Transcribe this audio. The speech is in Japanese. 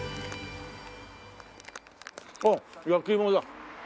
あっ焼き芋だ。